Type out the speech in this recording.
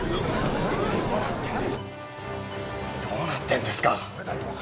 どうなってるんですか？